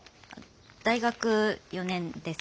大学４年です。